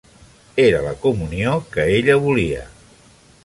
Era la comunió que ella volia.